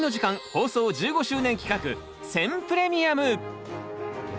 放送１５周年企画「選プレミアム」！